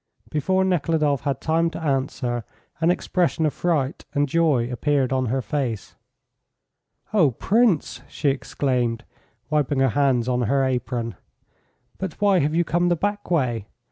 Before Nekhludoff had time to answer, an expression of fright and joy appeared on her face. "Oh, Prince!" she exclaimed, wiping her hands on her apron. "But why have you come the back way?